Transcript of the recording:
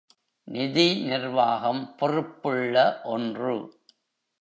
நிதி நிர்வாகம் பொறுப்புள்ள ஒன்று.